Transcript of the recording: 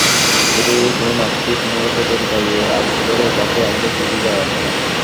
এতে যদি কোনো নাস্তিক-মুরতাদের গায়ে আগুন ধরে তাতে আমাদের কিছু যায়-আসে না।